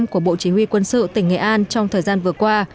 của bộ chỉ huy quân sự tỉnh nghệ an trong thời gian vừa qua